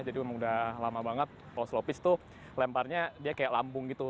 jadi memang udah lama banget kalau slow pitch itu lemparnya dia kayak lambung gitu